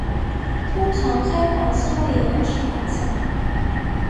通常开环相位延迟反相。